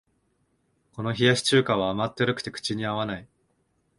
この冷やし中華は甘ったるくて口に合わない